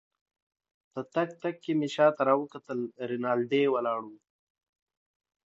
په تګ تګ کې مې شاته راوکتل، رینالډي ولاړ وو.